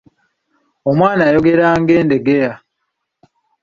Omwana ayogera nga Endegeya